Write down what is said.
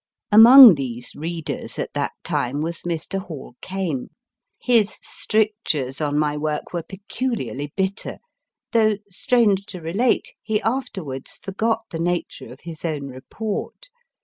Among these readers at that time was Mr. Hall Caine. His strictures on my work were peculiarly bitter, though, strange to relate, he afterwards forgot the nature of his own report.